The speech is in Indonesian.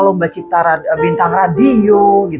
lomba bintang radio